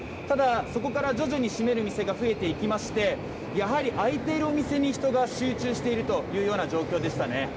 ただ、そこから徐々に閉める店が増えていきまして、やはり空いてるお店に人が集中しているというような状況でしたね